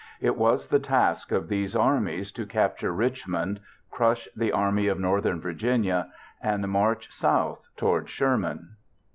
It was the task of these armies to capture Richmond, crush the Army of Northern Virginia, and march south toward Sherman.